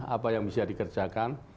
apa yang bisa dikerjakan